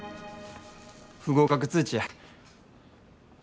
不合格通知や。